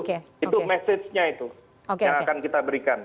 itu message nya itu yang akan kita berikan